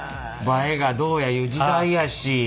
映えがどうやいう時代やし。